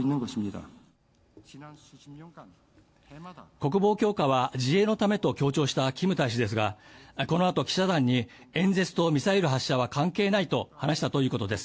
国防強化は自衛のためと強調したキム大使ですがこのあと記者団に演説とミサイル発射は関係ないと話したということです